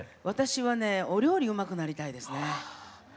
私はねえお料理うまくなりたいですね。